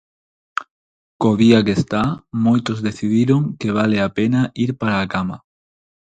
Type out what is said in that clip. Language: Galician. Co día que está, moitos decidiron que vale a pena ir para a cama.